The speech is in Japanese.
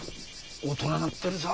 大人なってるさ。